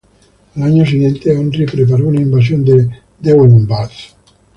Al año siguiente, Henry preparó una invasión de Deheubarth.